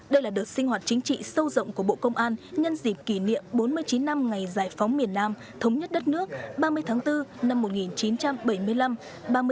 đây là đợt sinh hoạt chính trị sâu rộng của bộ công an nhân dịp kỷ niệm bốn mươi chín năm ngày giải phóng miền nam thống nhất đất nước ba mươi tháng bốn năm một nghìn chín trăm bảy mươi năm